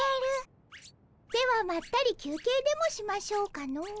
ではまったり休憩でもしましょうかの。